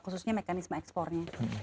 khususnya mekanisme ekspornya